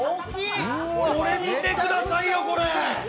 これ見てくださいよ、これ！